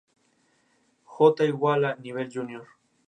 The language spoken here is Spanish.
J=Nivel Junior